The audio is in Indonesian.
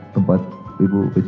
tempat ibu peci